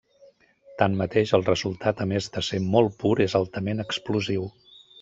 Tanmateix, el resultat a més de ser molt pur és altament explosiu.